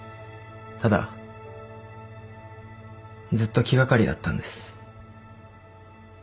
ただずっと気掛かりだったんです。